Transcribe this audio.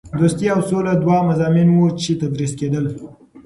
دوستي او سوله دوه مضامین وو چې تدریس کېدل.